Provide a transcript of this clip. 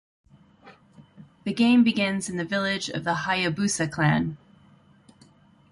The game begins in the village of the Hayabusa clan.